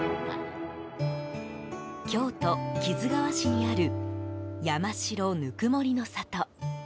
京都・木津川市にある山城ぬくもりの里。